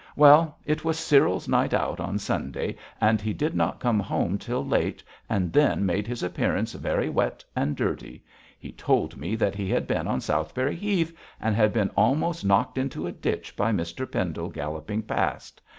Well, it was Cyril's night out on Sunday, and he did not come home till late, and then made his appearance very wet and dirty. He told me that he had been on Southberry Heath and had been almost knocked into a ditch by Mr Pendle galloping past.